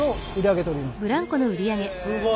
えすごい！